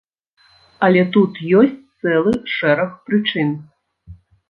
А тут ёсць цэлы шэраг прычын.